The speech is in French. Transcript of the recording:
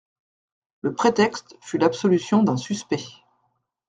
Le prétexte fut l'absolution d'un suspect.